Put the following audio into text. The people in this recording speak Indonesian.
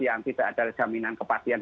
yang tidak ada jaminan kepastian